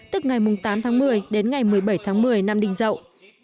tức ngày tám tháng một mươi đến ngày một mươi bảy tháng một mươi năm đình dậu